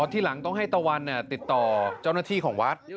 ทีหลังต้องให้ตะวันติดต่อเจ้าหน้าที่ของวัด